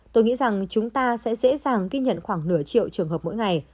tôi nghĩ rằng chúng ta sẽ dễ dàng ghi nhận khoảng nửa triệu trường hợp mỗi ngày